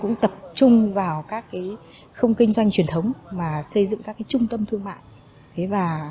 chúng tôi tập trung vào các không kinh doanh truyền thống mà xây dựng các trung tâm thương mại